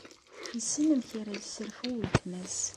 Yessen amek ara yesserfu weltma-s.